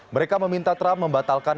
mereka meminta trump membatalkan